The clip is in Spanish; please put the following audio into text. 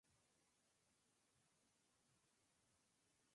La película fue escrita y dirigida por Emilio Tamer.